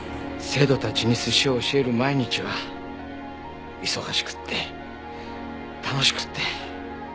生徒たちに寿司を教える毎日は忙しくって楽しくって。